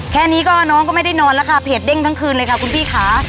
แค่นี้ก็น้องก็ไม่ได้นอนแล้วค่ะเพจเด้งทั้งคืนเลยค่ะคุณพี่ค่ะ